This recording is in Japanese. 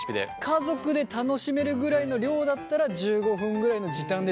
家族で楽しめるぐらいの量だったら１５分ぐらいの時短でできるよと？